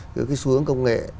cứ cái xuống công nghệ